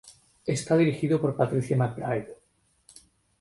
Está dirigido por Patricia McBride.